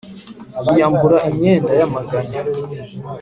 yiyambura imyenda y’amaganya,